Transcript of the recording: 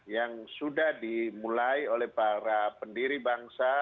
yang sudah dimulai oleh para pendiri bangsa